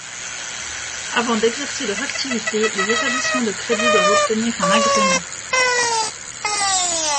Avant d'exercer leur activité, les établissements de crédit doivent obtenir un agrément.